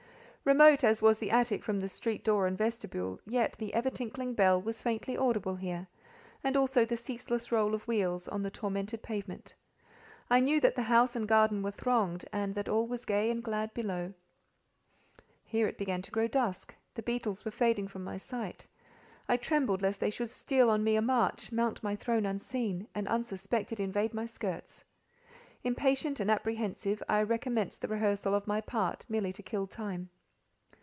Remote as was the attic from the street door and vestibule, yet the ever tinkling bell was faintly audible here; and also the ceaseless roll of wheels, on the tormented pavement. I knew that the house and garden were thronged, and that all was gay and glad below; here it began to grow dusk: the beetles were fading from my sight; I trembled lest they should steal on me a march, mount my throne unseen, and, unsuspected, invade my skirts. Impatient and apprehensive, I recommenced the rehearsal of my part merely to kill time.